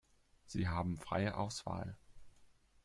Sie haben freie Auswahl.